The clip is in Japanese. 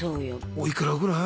おいくらぐらい？